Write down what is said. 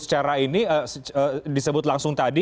secara ini disebut langsung tadi